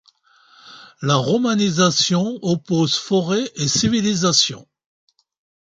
La romanisation oppose forêt et civilisation.